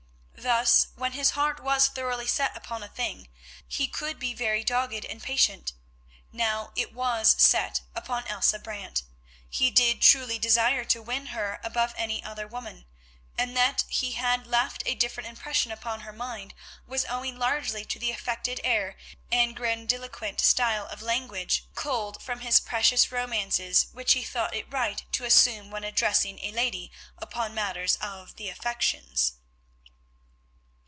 Thus, when his heart was thoroughly set upon a thing, he could be very dogged and patient. Now it was set upon Elsa Brant, he did truly desire to win her above any other woman, and that he had left a different impression upon her mind was owing largely to the affected air and grandiloquent style of language culled from his precious romances which he thought it right to assume when addressing a lady upon matters of the affections.